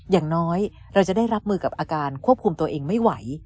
อย่างน้อยเราจะได้รับมือกับอาการควบคุมตัวเองไม่ไหว